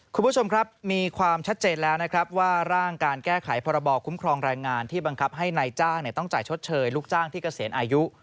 คุณผู้ชมครับมีความชัดเจนแล้วนะครับว่าร่างการแก้ไขพรบคุ้มครองแรงงานที่บังคับให้นายจ้างต้องจ่ายชดเชยลูกจ้างที่เกษียณอายุ